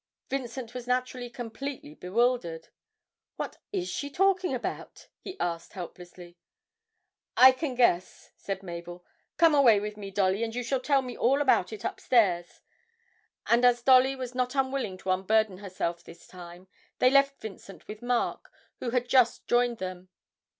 Vincent was naturally completely bewildered. 'What is she talking about?' he asked helplessly. 'I can guess,' said Mabel. 'Come away with me, Dolly, and you shall tell me all about it upstairs;' and as Dolly was not unwilling to unburden herself this time, they left Vincent with Mark, who had just joined them.